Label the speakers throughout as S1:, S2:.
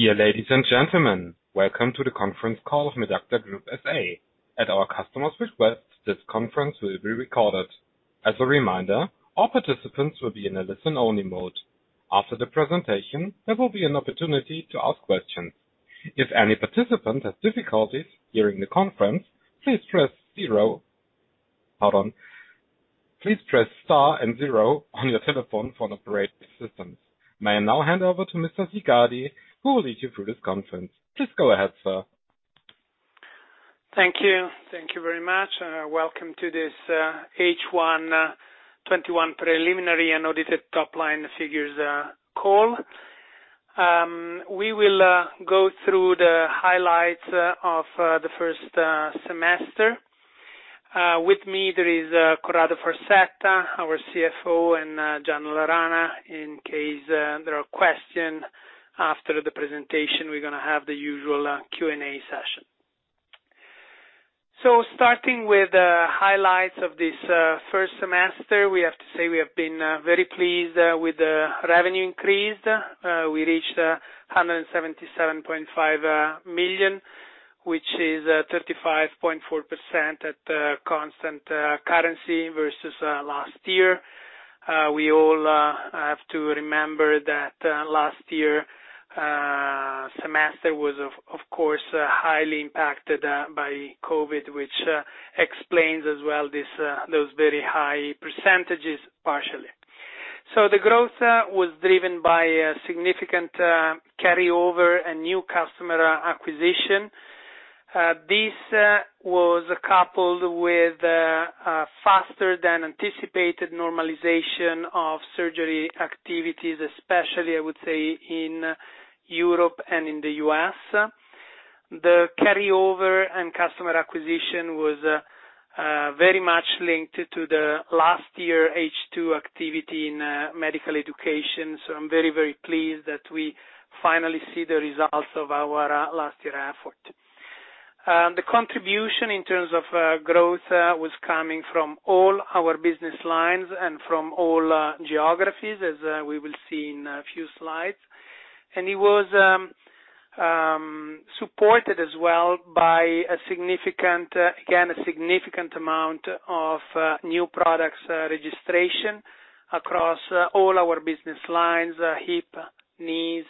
S1: Dear ladies and gentlemen, welcome to the conference call of Medacta Group SA. At our customers' request, this conference will be recorded. As a reminder, all participants will be in a listen-only mode. After the presentation, there will be an opportunity to ask questions. If any participant has difficulties during the conference, please press star and zero on your telephone for an operator's assistance. May I now hand over to Mr. Siccardi, who will lead you through this conference. Please go ahead, sir.
S2: Thank you. Thank you very much. Welcome to this H1 2021 preliminary and audited top-line figures call. We will go through the highlights of the first semester. With me there is Corrado Farsetta, our CFO, and Gianna La Rana. In case there are question after the presentation, we're going to have the usual Q&A session. Starting with the highlights of this first semester, we have to say we have been very pleased with the revenue increase. We reached 177.5 million, which is 35.4% at constant currency versus last year. We all have to remember that last year, semester was of course, highly impacted by COVID, which explains as well those very high percentages partially. The growth was driven by a significant carryover and new customer acquisition. This was coupled with a faster than anticipated normalization of surgery activities, especially I would say, in Europe and in the U.S. The carryover and customer acquisition was very much linked to the last year H2 activity in medical education. I'm very, very pleased that we finally see the results of our last year effort. The contribution in terms of growth was coming from all our business lines and from all geographies as we will see in a few slides. It was supported as well by, again, a significant amount of new products registration across all our business lines, hip, knees,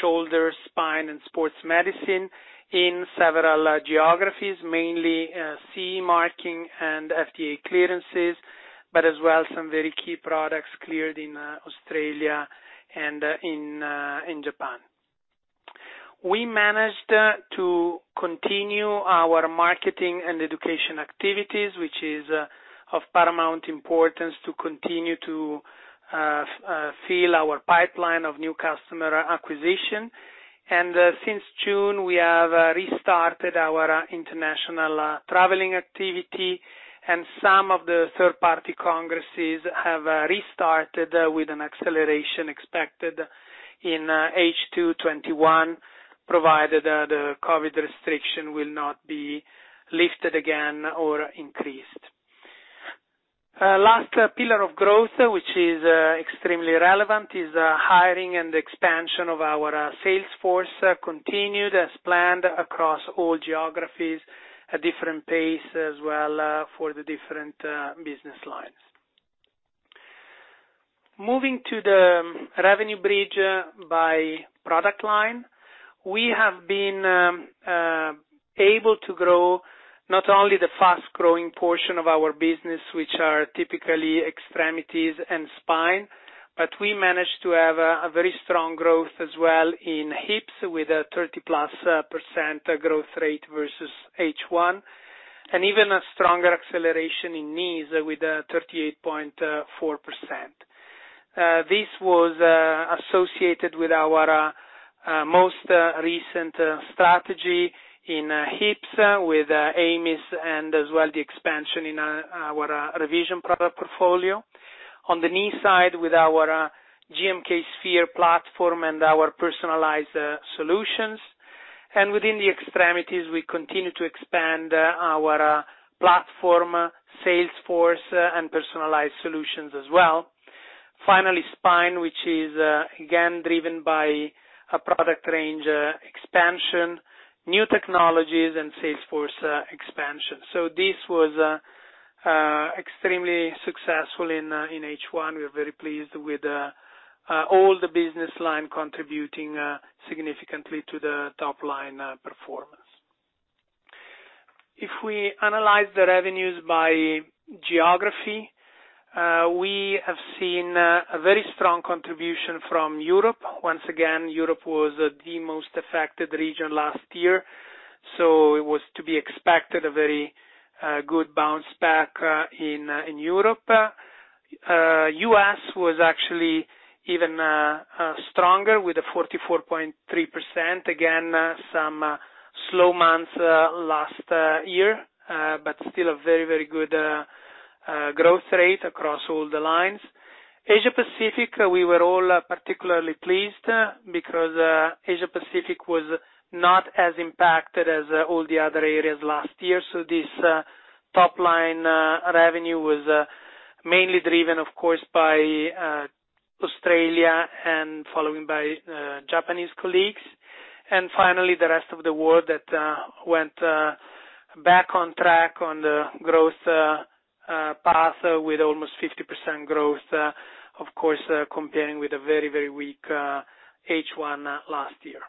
S2: shoulders, spine, and sports medicine in several geographies, mainly CE marking and FDA clearances, but as well, some very key products cleared in Australia and in Japan. We managed to continue our marketing and education activities, which is of paramount importance to continue to fill our pipeline of new customer acquisition. Since June, we have restarted our international traveling activity and some of the third-party congresses have restarted with an acceleration expected in H2 2021, provided the COVID restriction will not be lifted again or increased. Last pillar of growth, which is extremely relevant, is hiring and expansion of our sales force, continued as planned across all geographies at different pace as well for the different business lines. Moving to the revenue bridge by product line. We have been able to grow not only the fast-growing portion of our business, which are typically extremities and spine, but we managed to have a very strong growth as well in hips with a 30%+ growth rate versus H1, and even a stronger acceleration in knees with a 38.4%. This was associated with our most recent strategy in hips with AMIS and as well the expansion in our revision product portfolio. On the knee side with our GMK Sphere platform and our personalized solutions. Within the extremities, we continue to expand our platform, sales force, and personalized solutions as well. Finally, spine, which is, again, driven by a product range expansion, new technologies, and sales force expansion. This was extremely successful in H1. We're very pleased with all the business line contributing significantly to the top-line performance. If we analyze the revenues by geography, we have seen a very strong contribution from Europe. Once again, Europe was the most affected region last year, so it was to be expected, a very good bounce back in Europe. U.S. was actually even stronger with a 44.3%. Some slow months last year, but still a very, very good growth rate across all the lines. Asia-Pacific, we were all particularly pleased because, Asia-Pacific was not as impacted as all the other areas last year. Top-line revenue was mainly driven, of course, by Australia and followed by Japanese colleagues. Finally, the rest of the world that went back on track on the growth path with almost 50% growth, of course, comparing with a very weak H1 last year.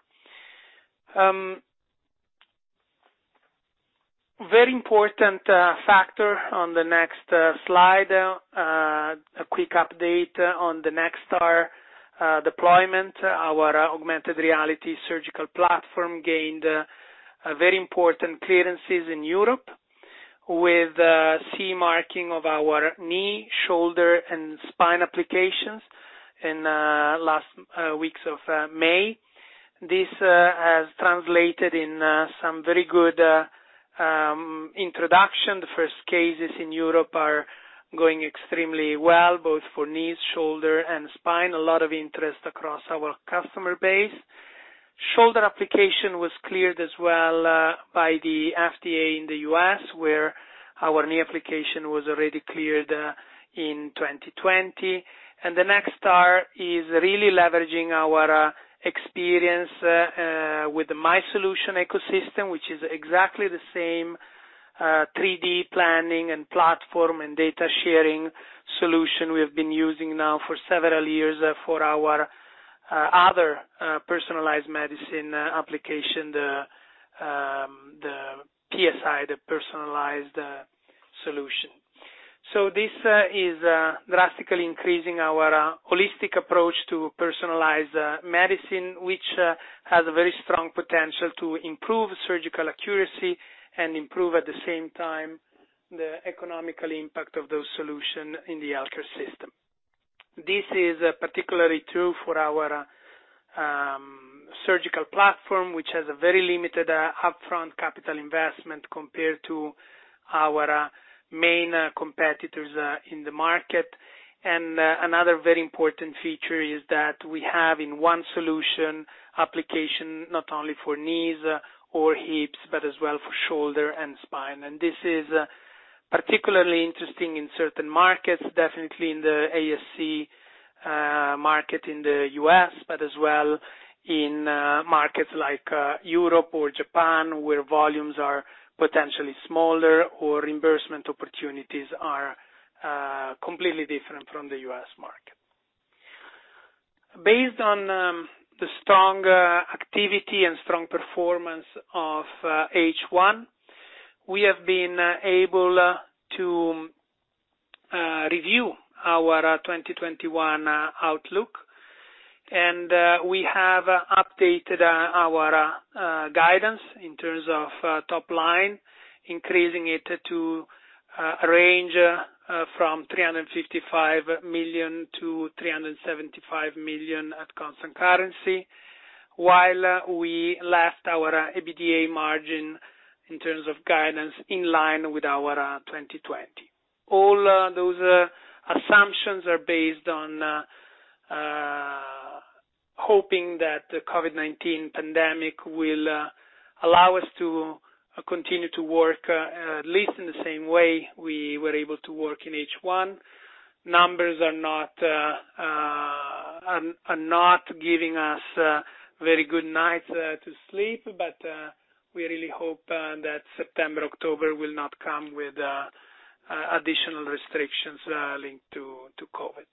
S2: Very important factor on the next slide. A quick update on the NextAR deployment. Our augmented reality surgical platform gained very important clearances in Europe with CE marking of our knee, shoulder, and spine applications in the last weeks of May. This has translated in some very good introduction. The first cases in Europe are going extremely well, both for knees, shoulder, and spine. A lot of interest across our customer base. Shoulder application was cleared as well by the FDA in the U.S., where our knee application was already cleared in 2020. The NextAR is really leveraging our experience, with the MySolutions Ecosystem, which is exactly the same 3D planning and platform and data-sharing solution we have been using now for several years for our other personalized medicine application, the PSI, the personalized solution. This is drastically increasing our holistic approach to personalized medicine, which has a very strong potential to improve surgical accuracy and improve, at the same time, the economical impact of those solution in the healthcare system. This is particularly true for our surgical platform, which has a very limited upfront capital investment compared to our main competitors in the market. Another very important feature is that we have, in one solution, application not only for knees or hips, but as well for shoulder and spine. This is particularly interesting in certain markets, definitely in the ASC market in the U.S., but as well in markets like Europe or Japan, where volumes are potentially smaller, or reimbursement opportunities are completely different from the U.S. market. Based on the strong activity and strong performance of H1, we have been able to review our 2021 outlook, and we have updated our guidance in terms of top line, increasing it to a range from 355 million-375 million at constant currency. While we left our EBITDA margin, in terms of guidance, in line with our 2020. All those assumptions are based on hoping that the COVID-19 pandemic will allow us to continue to work at least in the same way we were able to work in H1. Numbers are not giving us a very good night to sleep, but we really hope that September, October will not come with additional restrictions linked to COVID.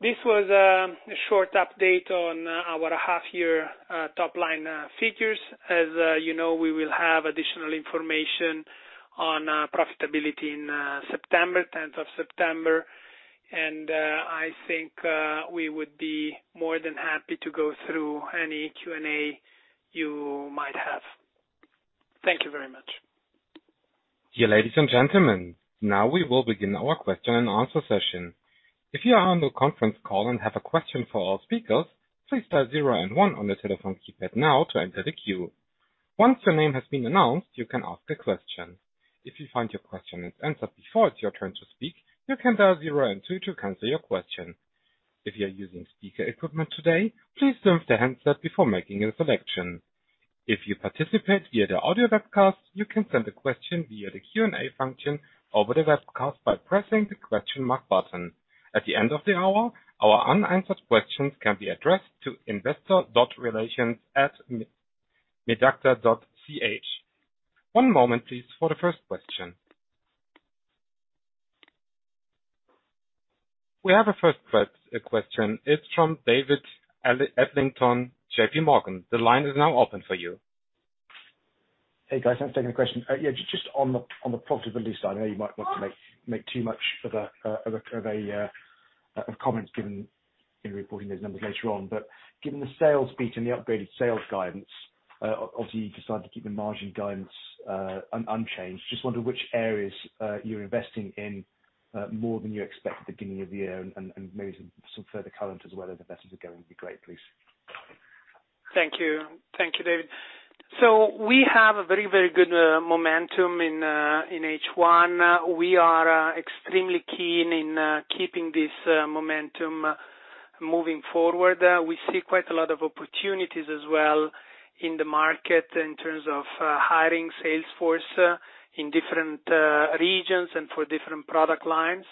S2: This was a short update on our half-year top-line figures. As you know, we will have additional information on profitability in September, 10th of September. I think we would be more than happy to go through any Q&A you might have. Thank you very much.
S1: Dear ladies and gentlemen, now we will begin our question and answer session. If you are on the conference call and have a question for our speakers, please dial zero and one on your telephone keypad now to enter the queue. Once your name has been announced, you can ask a question. If you find your question is answered before it's your turn to speak, you can dial zero and two to cancel your question. If you are using speaker equipment today, please mute the handset before making a selection. If you participate via the audio webcast, you can send a question via the Q&A function over the webcast by pressing the question mark button. At the end of the hour, our unanswered questions can be addressed to investor.relations@medacta.ch. One moment, please, for the first question. We have our first question. It's from David Adlington, JPMorgan. The line is now open for you.
S3: Hey, guys. Thanks for taking the question. Yeah, just on the profitability side, I know you might not want to make too much of comments given in reporting those numbers later on, but given the sales beat and the upgraded sales guidance, obviously you decided to keep the margin guidance unchanged. Just wonder which areas you're investing in more than you expected at the beginning of the year, and maybe some further comment as well on how the investments are going would be great, please.
S2: Thank you, David. We have a very good momentum in H1. We are extremely keen in keeping this momentum. Moving forward, we see quite a lot of opportunities as well in the market in terms of hiring sales force in different regions and for different product lines.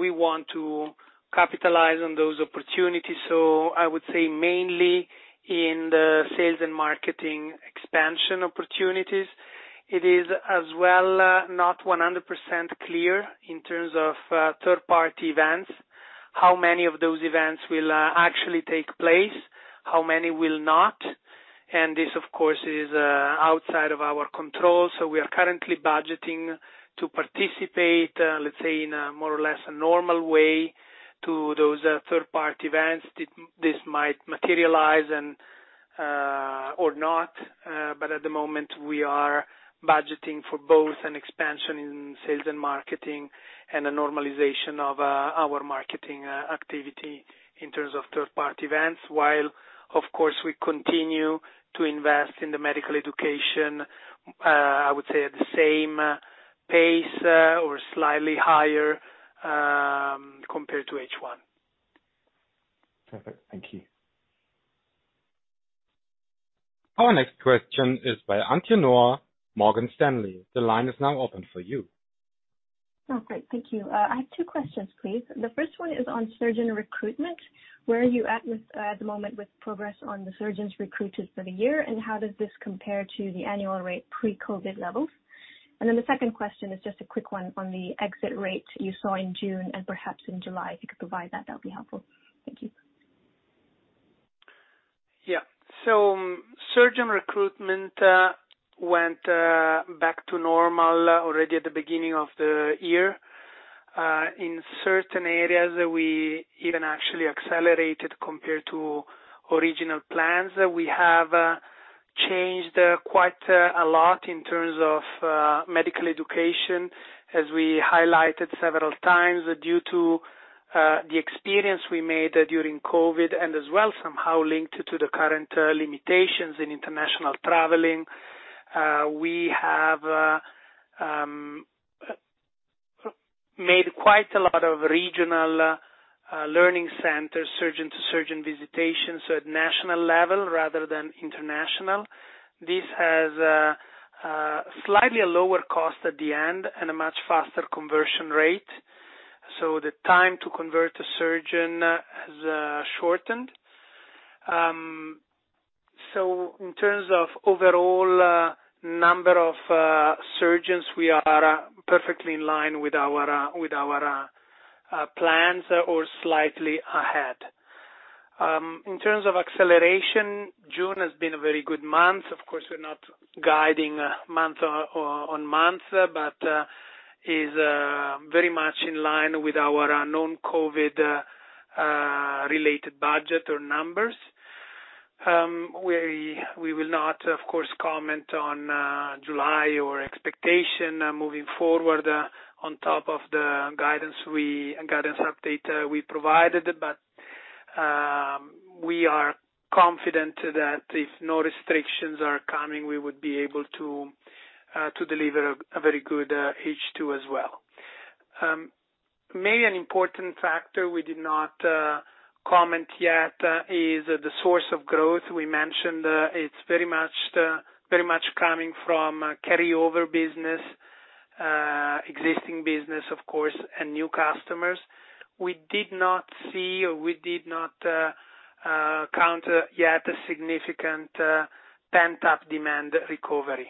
S2: We want to capitalize on those opportunities. I would say mainly in the sales and marketing expansion opportunities. It is as well not 100% clear in terms of third-party events, how many of those events will actually take place, how many will not, and this, of course, is outside of our control. We are currently budgeting to participate, let's say, in a more or less normal way to those third-party events. This might materialize or not, but at the moment, we are budgeting for both an expansion in sales and marketing and a normalization of our marketing activity in terms of third-party events, while, of course, we continue to invest in medical education, I would say, at the same pace or slightly higher, compared to H1.
S3: Perfect. Thank you.
S1: Our next question is by Aisyah Noor, Morgan Stanley. The line is now open for you.
S4: Oh, great. Thank you. I have two questions, please. The first one is on surgeon recruitment. Where are you at the moment with progress on the surgeons recruited for the year, and how does this compare to the annual rate pre-COVID levels? The second question is just a quick one on the exit rate you saw in June and perhaps in July. If you could provide that would be helpful. Thank you.
S2: Yeah. Surgeon recruitment went back to normal already at the beginning of the year. In certain areas, we even actually accelerated compared to original plans. We have changed quite a lot in terms of medical education, as we highlighted several times, due to the experience we made during COVID and as well somehow linked to the current limitations in international traveling. We have made quite a lot of regional learning centers, surgeon to surgeon visitations at national level rather than international. This has a slightly lower cost at the end and a much faster conversion rate, so the time to convert a surgeon has shortened. In terms of overall number of surgeons, we are perfectly in line with our plans or slightly ahead. In terms of acceleration, June has been a very good month. Of course, we're not guiding month-on-month, but is very much in line with our non-COVID-related budget or numbers. We will not, of course, comment on July or expectation moving forward on top of the guidance update we provided, but we are confident that if no restrictions are coming, we would be able to deliver a very good H2 as well. Maybe an important factor we did not comment yet is the source of growth. We mentioned it's very much coming from carryover business, existing business, of course, and new customers. We did not see or we did not count yet a significant pent-up demand recovery.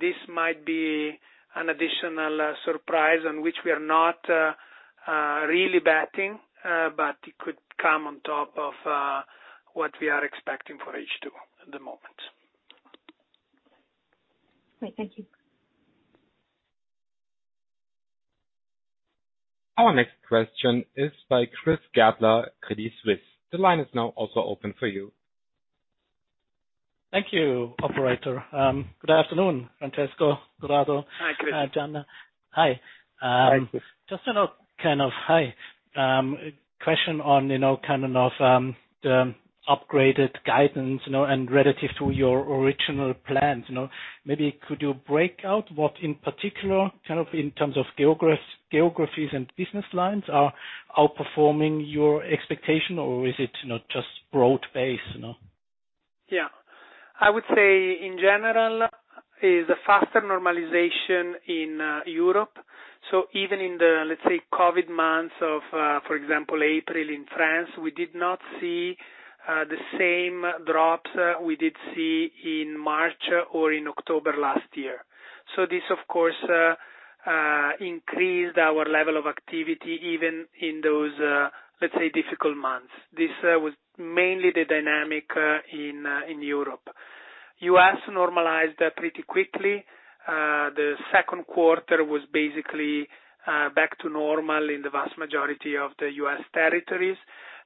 S2: This might be an additional surprise on which we are not really betting, but it could come on top of what we are expecting for H2 at the moment.
S4: Great. Thank you.
S1: Our next question is by Chris Gretler, Credit Suisse. The line is now also open for you.
S5: Thank you, operator. Good afternoon, Francesco, Corrado.
S2: Hi, Chris.
S5: Gianna. Hi.
S6: Hi, Chris.
S5: Just a question on the upgraded guidance, and relative to your original plans. Maybe could you break out what, in particular, in terms of geographies and business lines are outperforming your expectation, or is it just broad-based?
S2: Yeah. I would say in general is a faster normalization in Europe. Even in the, let's say, COVID months of, for example, April in France, we did not see the same drops we did see in March or in October last year. This, of course, increased our level of activity even in those, let's say, difficult months. This was mainly the dynamic in Europe. U.S. normalized pretty quickly. The second quarter was basically back to normal in the vast majority of the U.S. territories.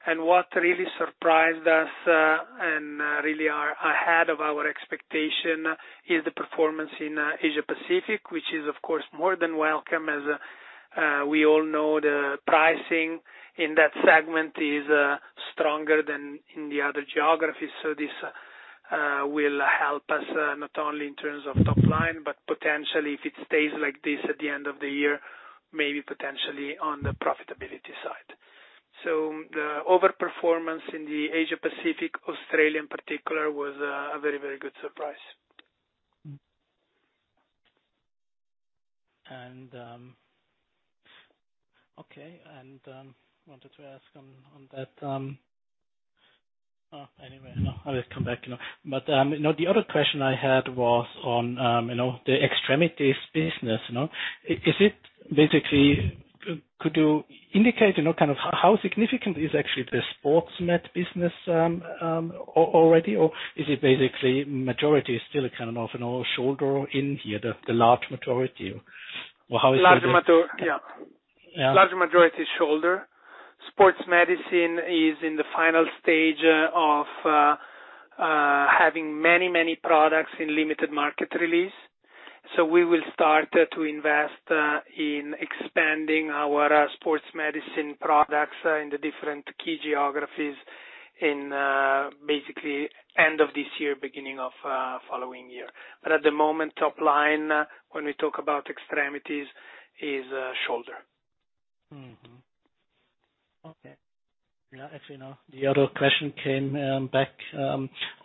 S2: What really surprised us and really are ahead of our expectation is the performance in Asia Pacific, which is, of course, more than welcome, as we all know, the pricing in that segment is stronger than in the other geographies. This will help us, not only in terms of top line, but potentially if it stays like this at the end of the year, maybe potentially on the profitability side. The over-performance in the Asia-Pacific, Australia in particular, was a very good surprise.
S5: Okay. Wanted to ask on that. Anyway, no, I will come back. The other question I had was on the extremities business. Could you indicate, kind of how significant is actually the sports med business already, or is it basically majority is still kind of, shoulder or in here, the large majority, or how is that?
S2: Large majority.
S5: Yeah.
S2: Large majority is shoulder. Sports medicine is in the final stage of having many products in limited market release. We will start to invest in expanding our sports medicine products in the different key geographies in basically end of this year, beginning of following year. At the moment, top line, when we talk about extremities is shoulder.
S5: Okay. Yeah. You know, the other question came back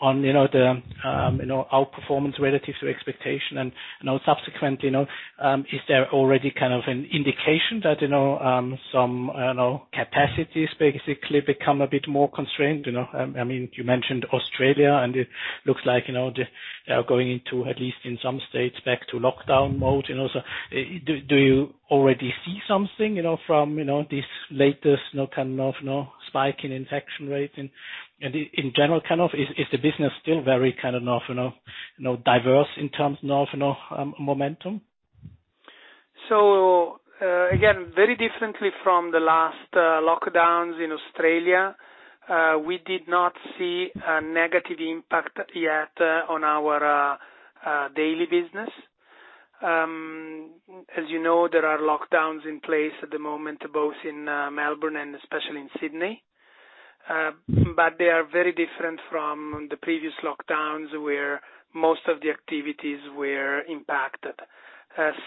S5: on the outperformance relative to expectation and now subsequent, is there already kind of an indication that some capacities basically become a bit more constrained? You mentioned Australia and it looks like they are going into, at least in some states, back to lockdown mode, so do you already see something from these latest, kind of spike in infection rates? In general, is the business still very kind of diverse in terms now of momentum?
S2: Again, very differently from the last lockdowns in Australia, we did not see a negative impact yet on our daily business. As you know, there are lockdowns in place at the moment, both in Melbourne and especially in Sydney. They are very different from the previous lockdowns where most of the activities were impacted.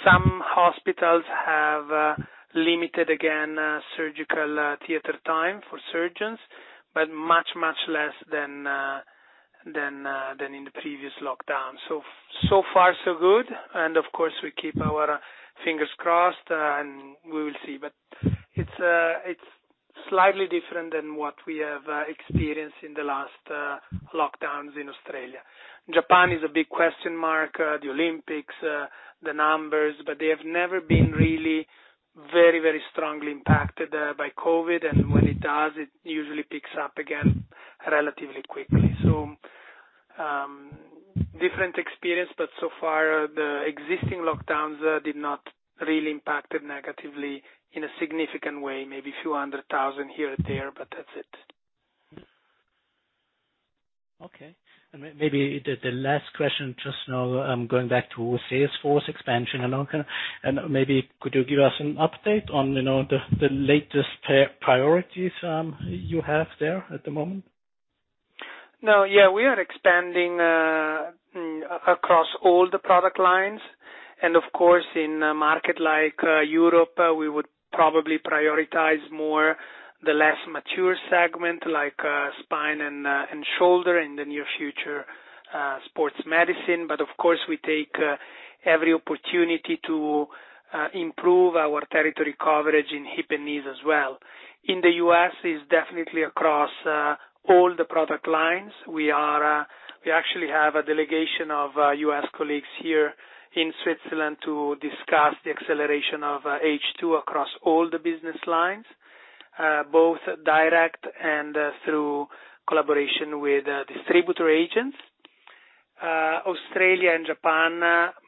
S2: Some hospitals have limited, again, surgical theater time for surgeons, but much less than in the previous lockdown. So far so good, and of course, we keep our fingers crossed and we will see. It's slightly different than what we have experienced in the last lockdowns in Australia. Japan is a big question mark. The Olympics, the numbers, but they have never been really very strongly impacted by COVID, and when it does, it usually picks up again relatively quickly. Different experience, but so far the existing lockdowns did not really impact it negatively in a significant way. Maybe a few hundred thousand here and there, but that's it.
S5: Okay. Maybe the last question, just now, going back to salesforce expansion, and maybe could you give us an update on the latest priorities you have there at the moment?
S2: No, yeah, we are expanding across all the product lines, and of course, in a market like Europe, we would probably prioritize more the less mature segment like spine and shoulder in the near future, sports medicine. Of course, we take every opportunity to improve our territory coverage in hip and knees as well. In the U.S., it's definitely across all the product lines. We actually have a delegation of U.S. colleagues here in Switzerland to discuss the acceleration of H2 across all the business lines, both direct and through collaboration with distributor agents. Australia and Japan,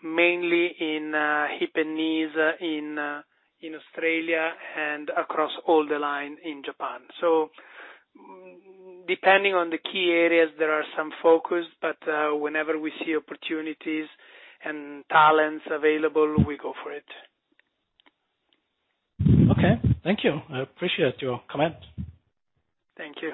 S2: mainly in hip and knees in Australia and across all the line in Japan. Depending on the key areas, there are some focus, but whenever we see opportunities and talents available, we go for it.
S5: Okay. Thank you. I appreciate your comment.
S2: Thank you.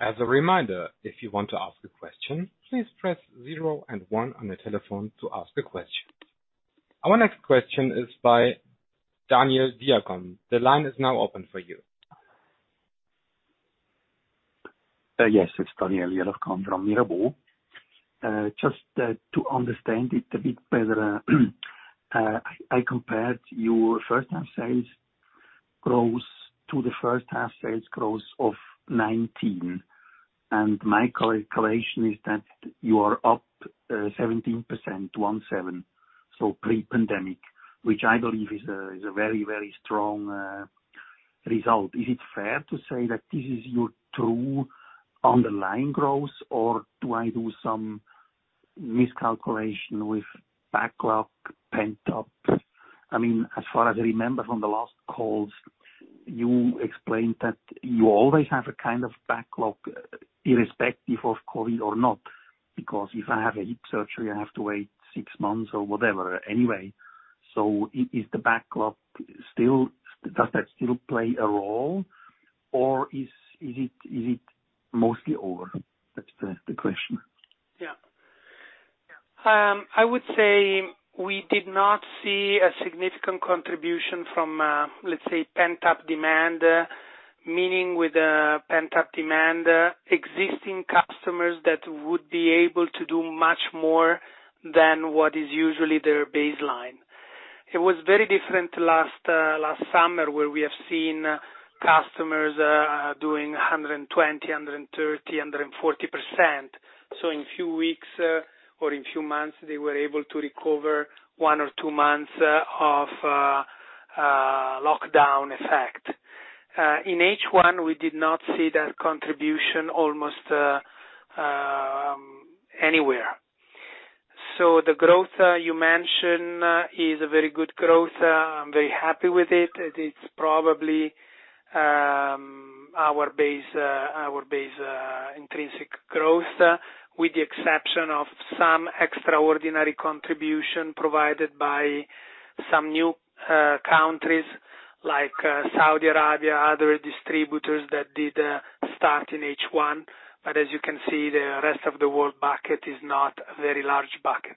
S1: As a reminder, if you want to ask a question, please press zero and one on your telephone to ask a question. Our next question is by Daniel Jelovcan. The line is now open for you.
S7: Yes, it's Daniel Jelovcan from Mirabaud. Just to understand it a bit better, I compared your first half sales growth to the first half sales growth of 2019, and my calculation is that you are up 17%. Pre-pandemic, which I believe is a very strong result. Is it fair to say that this is your true underlying growth, or do I do some miscalculation with backlog pent up? As far as I remember from the last calls, you explained that you always have a kind of backlog irrespective of COVID or not, because if I have a hip surgery, I have to wait six months or whatever anyway. Is the backlog, does that still play a role or is it mostly over? That's the question.
S2: Yeah. I would say we did not see a significant contribution from, let's say, pent-up demand, meaning with the pent-up demand, existing customers that would be able to do much more than what is usually their baseline. It was very different last summer, where we have seen customers doing 120%, 130%, 140%. In few weeks or in few months, they were able to recover one or two months of lockdown effect. In H1, we did not see that contribution almost anywhere. The growth you mentioned is a very good growth. I'm very happy with it. It is probably our base intrinsic growth, with the exception of some extraordinary contribution provided by some new countries like Saudi Arabia, other distributors that did start in H1. As you can see, the rest of the world bucket is not a very large bucket.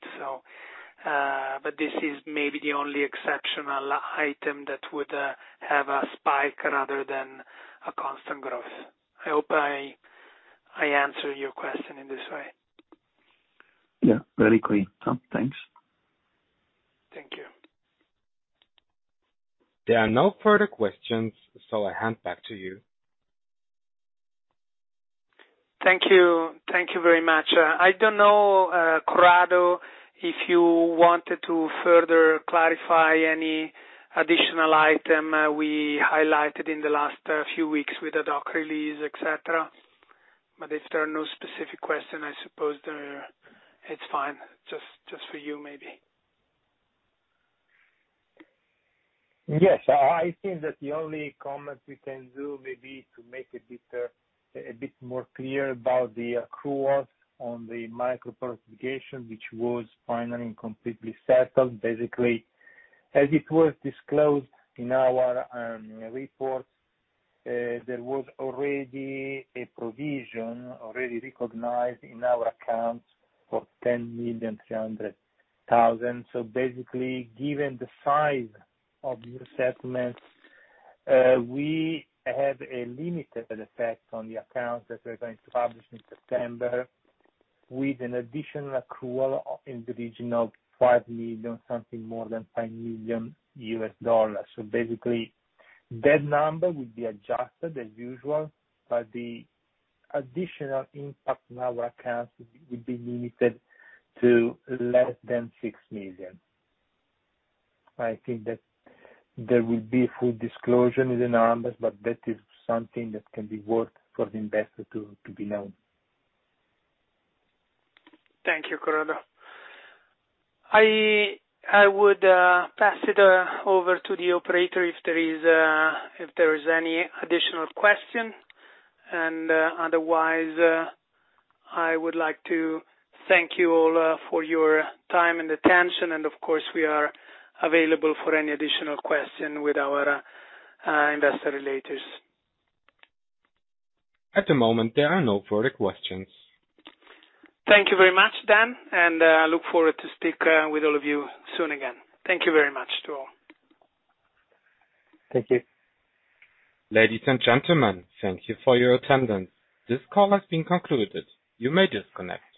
S2: This is maybe the only exceptional item that would have a spike rather than a constant growth. I hope I answer your question in this way.
S7: Yeah, very clear. Thanks.
S2: Thank you.
S1: There are no further questions, so I hand back to you.
S2: Thank you very much. I don't know, Corrado, if you wanted to further clarify any additional item we highlighted in the last few weeks with the ad doc release, et cetera. If there are no specific question, I suppose it's fine, just for you maybe.
S6: Yes. I think that the only comment we can do maybe to make a bit more clear about the accruals on the MicroPort, which was finally and completely settled. As it was disclosed in our annual report, there was already a provision, already recognized in our accounts for 10,300,000. Basically, given the size of the settlement, we have a limited effect on the accounts that we're going to publish in September, with an additional accrual in the region of $5 million, something more than $5 million. Basically, that number will be adjusted as usual, but the additional impact on our accounts would be limited to less than $6 million. I think that there will be full disclosure in the numbers, but that is something that can be worth for the investor to be known.
S2: Thank you, Corrado. I would pass it over to the operator if there is any additional question. Otherwise, I would like to thank you all for your time and attention. Of course, we are available for any additional question with our Investor Relations.
S1: At the moment, there are no further questions.
S2: Thank you very much, Dan. I look forward to speak with all of you soon again. Thank you very much to all.
S6: Thank you.
S1: Ladies and gentlemen, thank you for your attendance. This call has been concluded. You may disconnect.